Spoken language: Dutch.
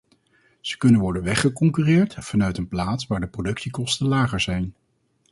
Ze kunnen worden weggeconcurreerd vanuit een plaats waar de productiekosten lager zijn.